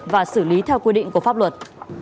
và xử lý theo quy định của pháp luật